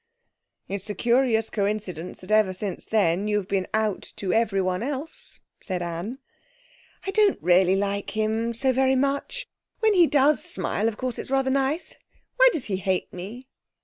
'It's a curious coincidence that ever since then you've been out to everyone else,' said Anne. 'I don't really like him so very much. When he does smile, of course it's rather nice. Why does he hate me?'